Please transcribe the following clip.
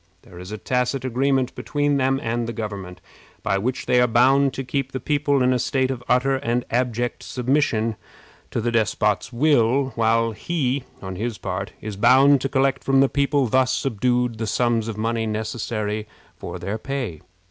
There is a tacit agreement between them and the government, by which they are bound to keep the people in a state of utter and abject submission to the despot's will, while he, on his part, is bound to collect from the people thus subdued the sums of money necessary for their pay.